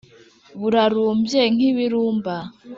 burarumbye nk’ibirumba